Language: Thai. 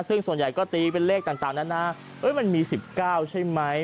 ซึ่งส่วนใหญ่ก็ตีเป็นเลขต่างนะมันมี๑๙ใช่ไหม